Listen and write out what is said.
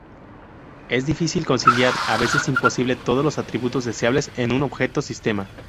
Es difícil conciliar, a veces imposible, todos los atributos deseables en un objeto-sistema.